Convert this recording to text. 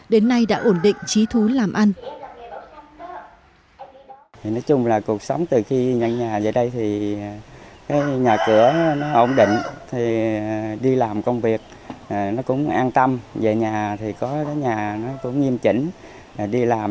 đến nay tỉnh an giang đã xây dựng được tám khu nhà đại đoàn kết giải quyết cho gần hai trăm linh hội dân khó khăn có nhà ở